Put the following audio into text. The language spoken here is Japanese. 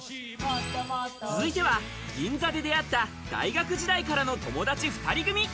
続いては、銀座で出会った、大学時代からの友達２人組。